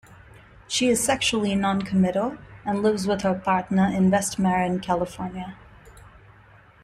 She is sexually noncommittal, and lives with her partner in West Marin, California.